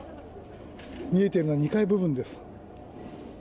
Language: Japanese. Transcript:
見えているのは２階部分です。